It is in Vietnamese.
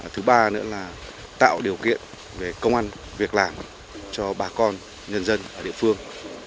thứ ba nữa là tạo điều kiện về công an việc làm cho bà con nhân dân ở địa phương